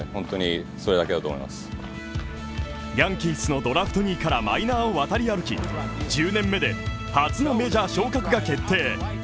ヤンキースのドラフト２位からマイナーを渡り歩き１０年目で初のメジャー昇格が決定。